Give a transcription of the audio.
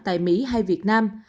tại mỹ hay việt nam